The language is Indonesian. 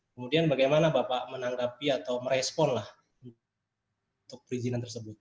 kemudian bagaimana bapak menanggapi atau meresponlah untuk perizinan tersebut